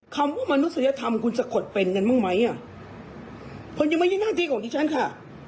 คำว่ามนุษยธรรมคุณสะกดเป็นกันบ้างไหมอ่ะผมยังไม่ใช่หน้าที่ของดิฉันค่ะ